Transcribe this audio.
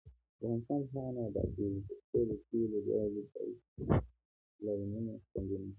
افغانستان تر هغو نه ابادیږي، ترڅو د تیلو او ګازو پایپ لاینونه خوندي نشي.